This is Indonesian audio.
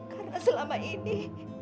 karena selama ini